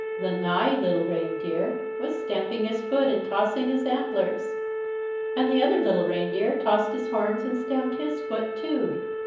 The "nigh" little reindeer was stamping his foot and tossing his antlers. And the other little reindeer tossed his horns and stamped his foot too.